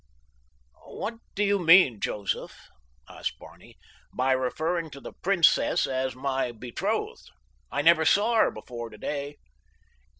"What do you mean, Joseph," asked Barney, "by referring to the princess as my betrothed? I never saw her before today."